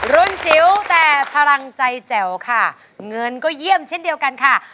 จิ๋วแต่พลังใจแจ๋วค่ะเงินก็เยี่ยมเช่นเดียวกันค่ะ